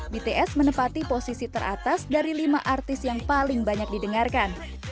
bts menempati posisi teratas dari lima artis yang paling banyak didengarkan